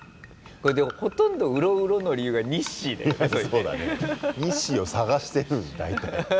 これでもほとんどウロウロの理由がニッシーだよね。